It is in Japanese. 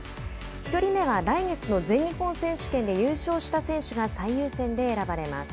１人目は来月の全日本選手権で優勝した選手が最優先で選ばれます。